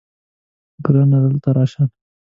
ګرانه دلته راشه